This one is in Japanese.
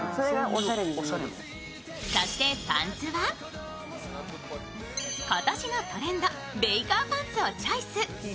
そしてパンツは、今年のトレンドベイカーパンツをチョイス。